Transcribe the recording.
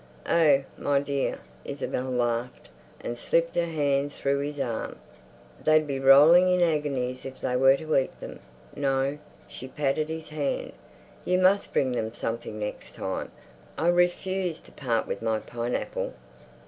"Oh, my dear!" Isabel laughed, and slipped her hand through his arm. "They'd be rolling in agonies if they were to eat them. No"—she patted his hand—"you must bring them something next time. I refuse to part with my pineapple."